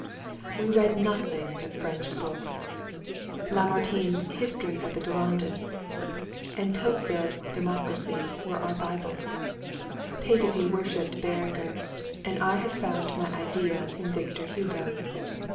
We read nothing but French books. Lamartine's "History of the Girondists" and Tocqueville's "Democracy" were our bibles. Petöfi worshipped Beranger, I had found my ideal in Victor Hugo....